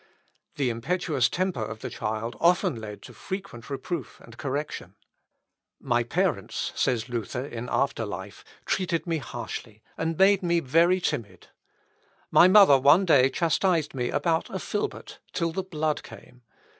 The impetuous temper of the child often led to frequent reproof and correction. "My parents," says Luther, in after life, "treated me harshly, and made me very timid. My mother one day chastised me about a filbert till the blood came.